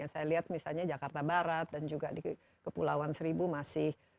saya lihat misalnya jakarta barat dan juga di kepulauan seribu masih